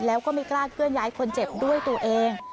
แล้วก็ไม่กล้าเคลื่อนย้ายคนเจ็บด้วยตัวเอง